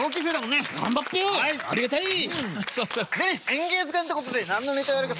「演芸図鑑」ってことで何のネタやるか。